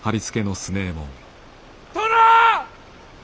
殿！